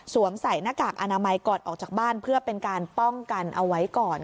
ใส่หน้ากากอนามัยก่อนออกจากบ้านเพื่อเป็นการป้องกันเอาไว้ก่อน